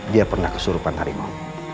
dia pernah kesurupan harimau